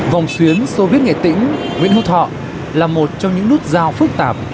vòng xuyến soviet nghệ tĩnh nguyễn hữu thọ là một trong những nút giao phức tạp